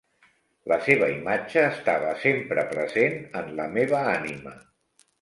La seva imatge estava sempre present en la meva ànima.